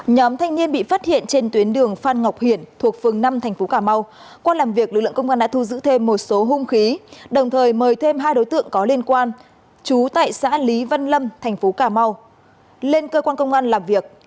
nhóm thanh niên bị phát hiện trên tuyến đường phan ngọc hiển thuộc phường năm tp cà mau qua làm việc lực lượng công an đã thu giữ thêm một số hung khí đồng thời mời thêm hai đối tượng có liên quan trú tại xã lý văn lâm thành phố cà mau lên cơ quan công an làm việc